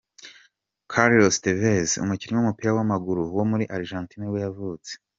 Carlos Tévez, umukinnyi w’umupira w’amaguru wo muri Argentine nibwo yavutse.